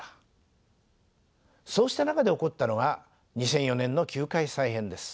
そうした中で起こったのが２００４年の球界再編です。